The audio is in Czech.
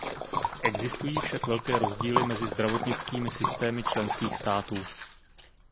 Existují však velké rozdíly mezi zdravotnickými systémy členských států.